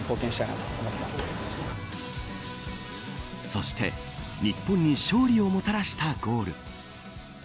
そして日本に勝利をもたらしたゴール。